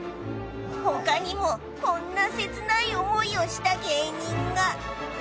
他にもこんな切ない思いをした芸人が。